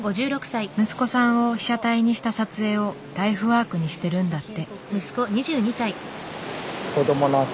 息子さんを被写体にした撮影をライフワークにしてるんだって。